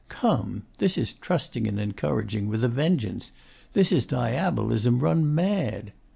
'Come! This is "trusting and encouraging" with a vengeance! This is Diabolism run mad!